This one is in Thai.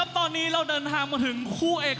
๑ไฟและแพ้๑๙ไฟ